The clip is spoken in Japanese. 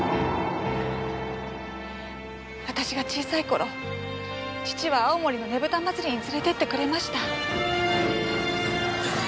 私が小さい頃父は青森のねぶた祭に連れてってくれました。